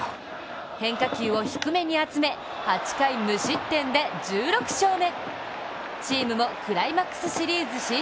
変化球を低めに集め８回無失点で１６勝目。